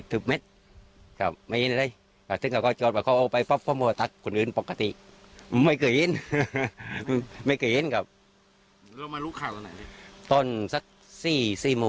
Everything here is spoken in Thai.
ตอนนั้นเราคิดว่ามีแค่ไง